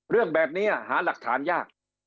เรื่องแบบนี้หาหลักฐานยาก